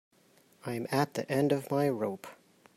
I'm at the end of my rope.